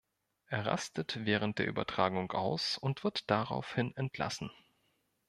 Er rastet während der Übertragung aus und wird daraufhin entlassen.